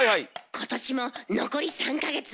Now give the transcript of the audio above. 今年も残り３か月。